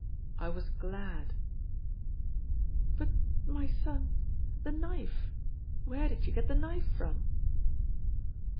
I was glad." "But, my son, — the knife! Where did you get the knife from?"